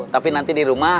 tapi nanti di rumah